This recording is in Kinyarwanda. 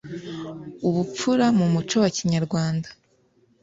ubupfura mu muco wa kinyarwanda